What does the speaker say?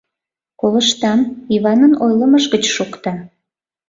—...Колыштам, Иванын ойлымыж гыч шокта...